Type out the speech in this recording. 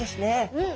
うん。